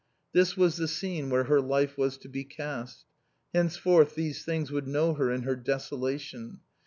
This was the scene where her life was to be cast. Henceforth these things would know her in her desolation.